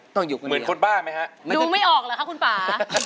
ต้องอยู่คนเดียวดูไม่ออกเหรอครับคุณป่ามันจะ